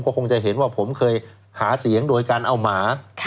ก็คงจะเห็นว่าผมเคยหาเสียงโดยการเอาหมา